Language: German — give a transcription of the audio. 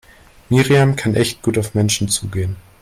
Miriam kann echt gut auf Menschen zugehen.